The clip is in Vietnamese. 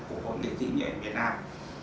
của nghệ sĩ nhiệm việt nam